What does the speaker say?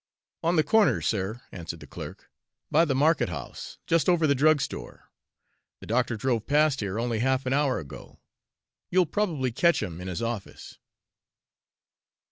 "On the corner, sir," answered the clerk, "by the market house, just over the drugstore. The doctor drove past here only half an hour ago. You'll probably catch him in his office."